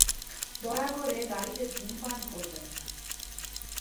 দয়া করে, গাড়িতে ধূমপান করবেন না।